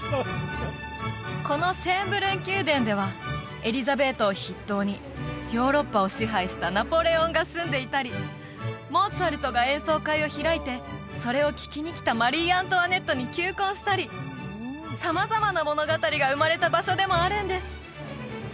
このシェーンブルン宮殿ではエリザベートを筆頭にヨーロッパを支配したナポレオンが住んでいたりモーツァルトが演奏会を開いてそれを聴きに来たマリー・アントワネットに求婚したり様々な物語が生まれた場所でもあるんです